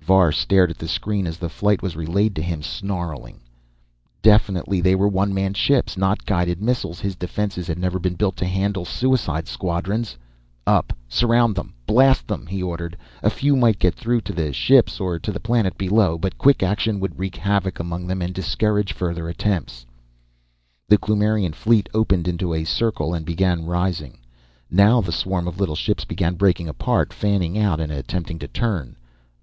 Var stared at the screen as the flight was relayed to him, snarling. Definitely, they were one man ships, not guided missiles. His defenses had never been built to handle suicide squadrons. "Up, surround them, blast them!" he ordered. A few might get through to the ships or to the planet below, but quick action would wreak havoc among them and discourage further attempts. The Kloomirian fleet opened into a circle and began rising. Now the swarm of little ships began breaking apart, fanning out and attempting to turn.